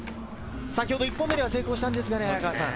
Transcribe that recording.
１本目には成功したんですが。